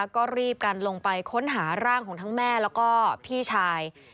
ก็รีบกันลงไปค้นหาร่างของทั้งแม่แล้วก็พี่ชาย